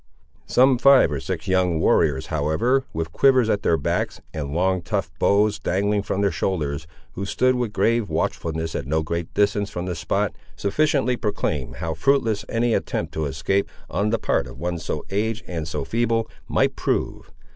Some five or six young warriors, however, with quivers at their backs, and long tough bows dangling from their shoulders, who stood with grave watchfulness at no great distance from the spot, sufficiently proclaimed how fruitless any attempt to escape, on the part of one so aged and so feeble, might prove.